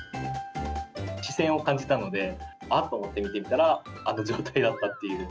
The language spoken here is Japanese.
視線を感じたので、あっと思って見てみたら、あの状態だったっていう。